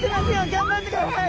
頑張ってください！